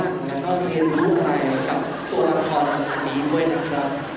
แล้วก็แบบพูดมาให้กับโตราคอร์มีอีกมายนะคะ